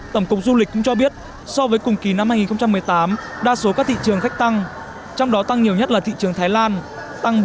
tổng cục du lịch cũng cho biết so với cùng kỳ năm hai nghìn một mươi tám đa số các thị trường khách tăng trong đó tăng nhiều nhất là thị trường thái lan tăng bốn mươi sáu ba